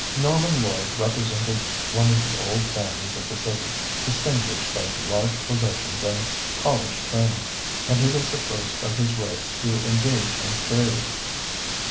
Norman Lloyd represented one of the old families of the city, distinguished by large possessions and college training, and he was the first of his race to engage in trade.